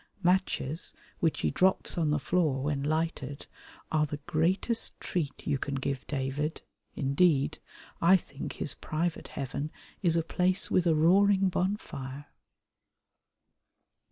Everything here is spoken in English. Matches, which he drops on the floor when lighted, are the greatest treat you can give David; indeed, I think his private heaven is a place with a roaring bonfire.